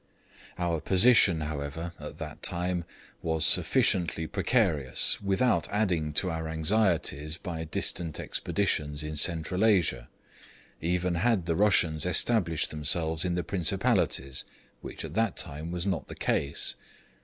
Our position, however, at that time was sufficiently precarious without adding to our anxieties by distant expeditions in Central Asia, even had the Russians established themselves in the Principalities, which at that time was not the case.